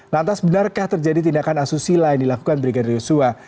lantas benarkah terjadi tindakan asusila yang dilakukan brigadir yosua